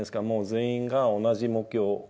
全員が同じ目標。